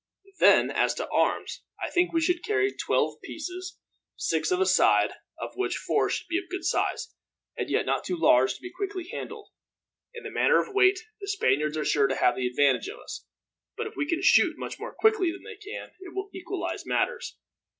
"Then, as to arms. I think we should carry twelve pieces, six of a side; of which four should be of good size, and yet not too large to be quickly handled. In the matter of weight, the Spaniards are sure to have the advantage of us; but if we can shoot much more quickly than they can, it will equalize matters.